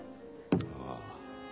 ああ。